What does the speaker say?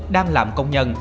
đang làm công nhân